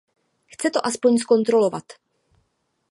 Chce to aspoň zkontrolovat.